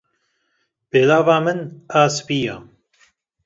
Pêlava min, a spî ye